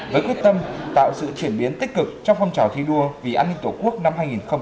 với quyết tâm tạo sự triển biến tích cực trong phong trò thi đua vì an ninh tổ quốc năm hai nghìn một mươi sáu